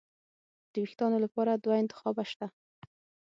د وېښتانو لپاره دوه انتخابه شته.